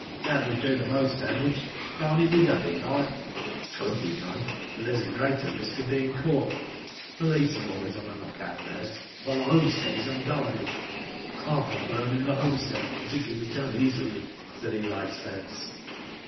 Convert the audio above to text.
"That would do the most damage. Can't it be done, Eli?" *' It could be done, but there is a greater risk of being caught. The police are always on the look out there, while the homestead is unguarded. I'm for burning the homestead, as it can be done easily," said Eli Spence.